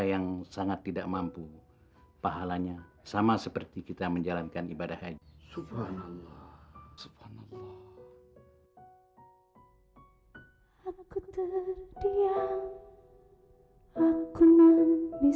yang sangat tidak mampu pahalanya sama seperti kita menjalankan ibadah haji